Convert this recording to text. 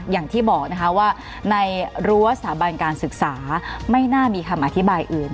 อย่างที่บอกนะคะว่าในรั้วสถาบันการศึกษาไม่น่ามีคำอธิบายอื่น